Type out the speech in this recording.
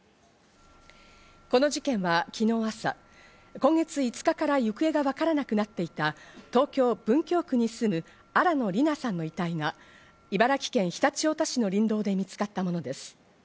この事件は昨日朝、今月５日から行方がわからなくなっていた、東京・文京区に住む、新野りなさんの遺体が茨城県常陸太田市の林道で見つかったものです。